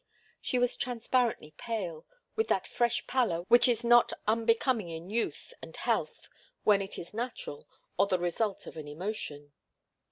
She was transparently pale, with that fresh pallor which is not unbecoming in youth and health when it is natural, or the result of an emotion.